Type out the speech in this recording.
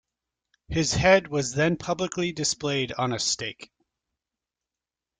His head was then publicly displayed on a stake.